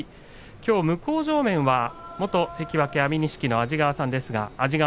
きょう向正面は元関脇安美錦の安治川さんです。